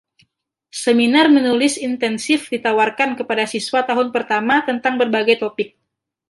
Seminar menulis intensif ditawarkan kepada siswa tahun pertama tentang berbagai topik.